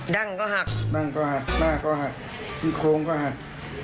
ดั่งก็หักดั่งก็หักหน้าก็หักซี่โครงก็หัก